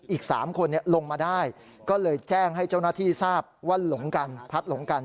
อีกสามคนเนี่ยลงมาได้ก็เลยแจ้งให้เจ้าหน้าที่ทราบว่าหลงกัน